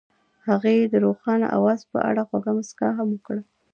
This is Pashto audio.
هغې د روښانه اواز په اړه خوږه موسکا هم وکړه.